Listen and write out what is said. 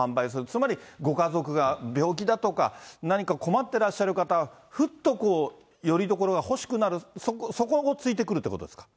つまりご家族が病気だとか、何か困ってらっしゃる方、ふっとこう、よりどころが欲しくなる、そこを突いてくるということですか。